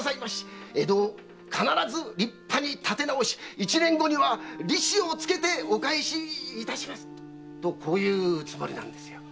「江戸を必ず立派に立て直し一年後には利子を付けてお返しいたします」とこう言うつもりなんですよ。